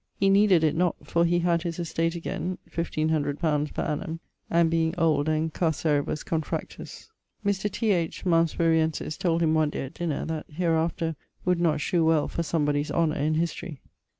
He needed it not, for he had his estate againe (1500 li. per annum), and being old and carceribus confractus. Mr. T. H., Malmesburiensis, told him one day at dinner that 'that hereafter would not shew well for somebodie's honour in history.'